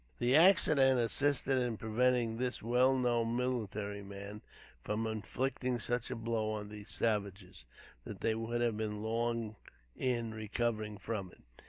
This accident assisted in preventing this well known military man from inflicting such a blow on these savages, that they would have been long in recovering from it.